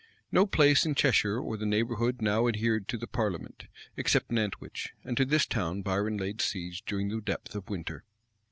[] No place in Cheshire or the neighborhood now adhered to the parliament, except Nantwich; and to this town Biron laid siege during the depth of winter.